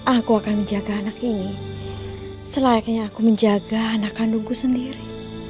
aku akan menjaga anak ini selayaknya aku menjaga anak kandungku sendiri